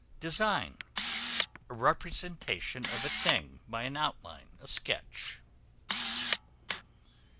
Design, a representation of a thing by an outline; a sketch.